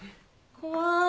怖い。